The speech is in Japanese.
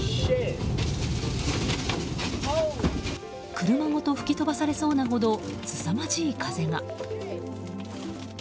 車ごと吹き飛ばされそうなほどすさまじい風が。